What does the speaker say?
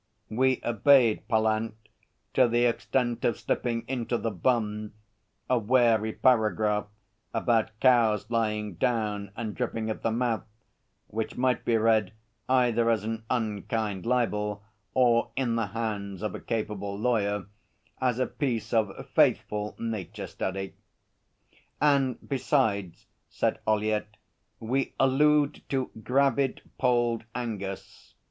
We obeyed Pallant to the extent of slipping into The Bun a wary paragraph about cows lying down and dripping at the mouth, which might be read either as an unkind libel or, in the hands of a capable lawyer, as a piece of faithful nature study. 'And besides,' said Ollyett, 'we allude to "gravid polled Angus."